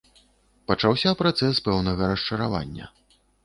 Пачаўся працэс пэўнага расчаравання.